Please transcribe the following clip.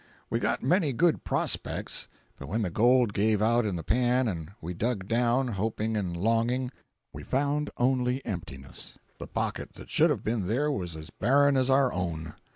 We got many good "prospects," but when the gold gave out in the pan and we dug down, hoping and longing, we found only emptiness—the pocket that should have been there was as barren as our own.